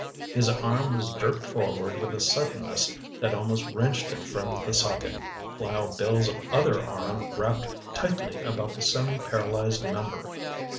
His arm was jerked forward with a suddenness that almost wrenched it from the socket, while Bill's other arm wrapped tightly about the semi paralyzed member.